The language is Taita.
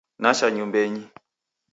Nacha nyumbenyi